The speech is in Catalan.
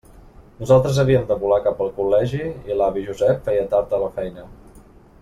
Nosaltres havíem de volar cap al col·legi i l'avi Josep feia tard a la feina.